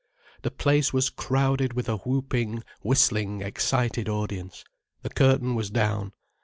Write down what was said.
The place was crowded with a whooping, whistling, excited audience. The curtain was down.